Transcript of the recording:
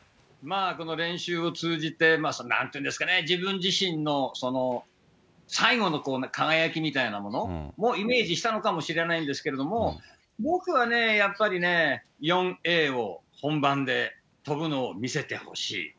この練習を通じて、なんていうんですかね、自分自身のその、最後の輝きみたいなものをイメージしたのかもしれないんですけれども、僕はね、やっぱり４Ａを本番で跳ぶのを見せてほしい。